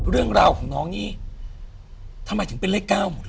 เรื่องราวของน้องนี่ทำไมถึงเป็นเลข๙หมดเลย